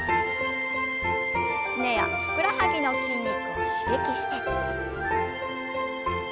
すねやふくらはぎの筋肉を刺激して。